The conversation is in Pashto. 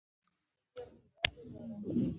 د هندوکش واورې دایمي دي